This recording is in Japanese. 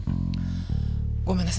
ごめんなさい